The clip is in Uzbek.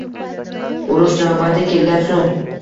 Urush navbati kelgan so‘ng